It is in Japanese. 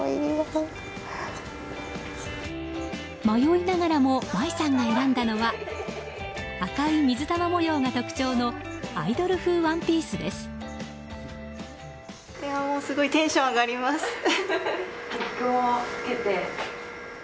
迷いながらも舞さんが選んだのは赤い水玉模様が特徴のアイドル風ワンピースです。